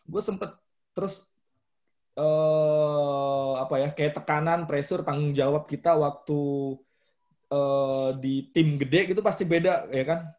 gue sempet terus kayak tekanan pressure tanggung jawab kita waktu di tim gede gitu pasti beda ya kan